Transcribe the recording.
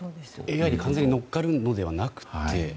ＡＩに完全に乗っかるのではなくて。